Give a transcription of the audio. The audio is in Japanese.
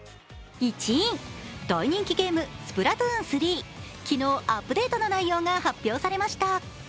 大人気ゲーム「スプラトゥーン３」昨日アップデートの内容が発表されました。